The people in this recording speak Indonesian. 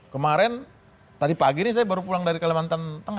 kemarin tadi pagi ini saya baru pulang dari kalimantan tengah